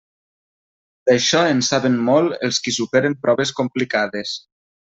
D'això en saben molt els qui superen proves complicades.